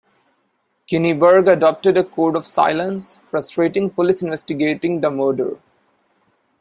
Kinniburgh adopted a code of silence, frustrating police investigating the murder.